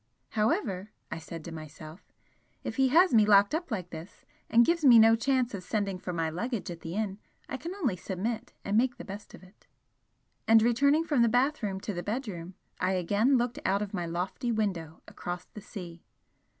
"However," I said to myself "if he has me locked up like this, and gives me no chance of sending for my luggage at the inn, I can only submit and make the best of it." And returning from the bathroom to the bedroom, I again looked out of my lofty window across the sea.